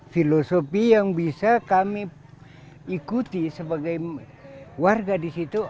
filosofi yang bisa kami ikuti sebagai warga di situ